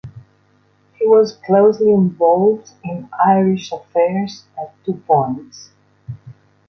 He was closely involved in Irish affairs at two points.